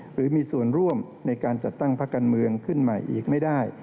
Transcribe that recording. หรือมีส่วนร่วมในการจัดตั้งพักการเมืองขึ้นใหม่อีกไม่ได้